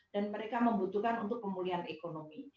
dan mereka membutuhkan untuk pemulihan ekonomi